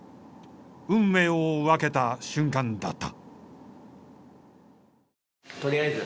運命を分けた瞬間だった。